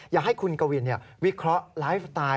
อยากให้คุณกวินวิเคราะห์ไลฟ์สไตล์